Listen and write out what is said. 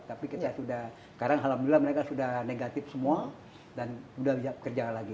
tapi kita sudah sekarang alhamdulillah mereka sudah negatif semua dan sudah kerja lagi